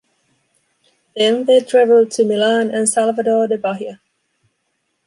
Then, they traveled to Milan and Salvador de Bahia.